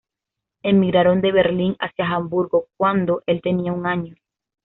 Emigraron de Berlín hacia Hamburgo cuando el tenía un año.